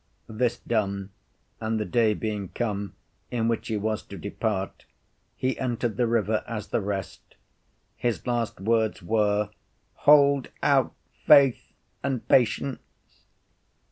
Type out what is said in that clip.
This done, and the day being come in which he was to depart, he entered the river as the rest. His last words were, Hold out faith and patience.